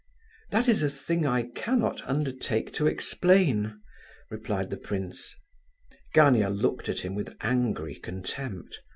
"That is a thing I cannot undertake to explain," replied the prince. Gania looked at him with angry contempt.